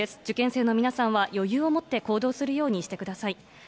受験生の皆さんは余裕を持って行動するようにしてください。